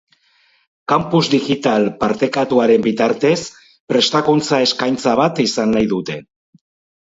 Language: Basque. Campus Digital Partekatuaren bitartez prestakuntza-eskaintza bat izan nahi dute.